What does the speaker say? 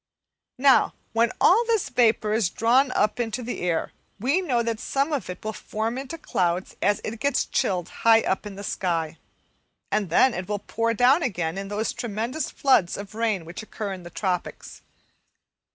Now, when all this vapour is drawn up into the air, we know that some of it will form into clouds as it gets chilled high up in the sky, and then it will pour down again in those tremendous floods of rain which occur in the tropics.